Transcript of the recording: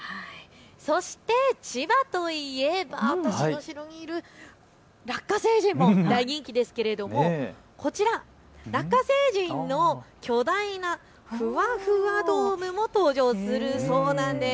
そして千葉といえば私の後ろにいるラッカ星人も大人気ですけれども、こちら、ラッカ星人の巨大なふわふわドームも登場するそうなんです。